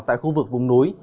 tại khu vực vùng núi